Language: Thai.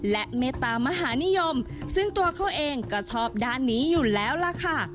และเมตามหานิยมซึ่งตัวเขาเองก็ชอบด้านนี้อยู่แล้วล่ะค่ะ